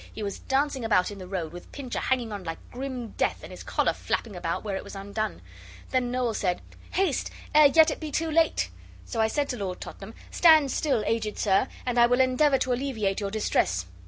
He was dancing about in the road with Pincher hanging on like grim death; and his collar flapping about, where it was undone. Then Noel said, 'Haste, ere yet it be too late.' So I said to Lord Tottenham 'Stand still, aged sir, and I will endeavour to alleviate your distress.